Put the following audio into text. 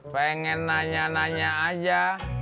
pengen nanya nanya aja